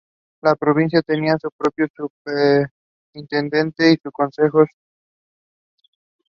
Goodliffe has captained the England Colleges team.